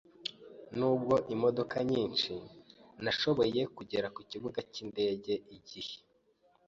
Nubwo imodoka nyinshi, nashoboye kugera ku kibuga cyindege igihe.